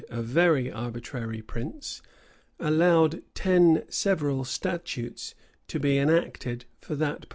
a very arbitrary prince, allowed ten several statutes to be enacted for that purpose.